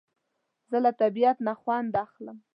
زه له طبیعت نه خوند اخلم